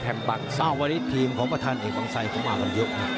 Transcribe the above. อ้าววันนี้ทีมของประธานเอกบังไซค์ก็มากกว่าเยอะ